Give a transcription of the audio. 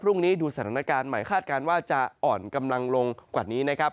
ดูสถานการณ์ใหม่คาดการณ์ว่าจะอ่อนกำลังลงกว่านี้นะครับ